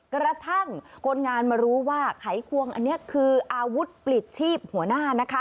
กระทั่งคนงานมารู้ว่าไขควงอันนี้คืออาวุธปลิดชีพหัวหน้านะคะ